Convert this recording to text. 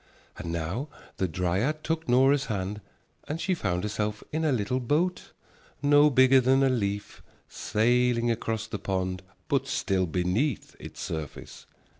And now the dryad took Nora's hand and she found herself in a little boat, no bigger than a leaf, sailing across the pond but still beneath its surface.